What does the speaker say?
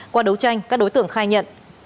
qua đấu tranh các đối tượng khai nhận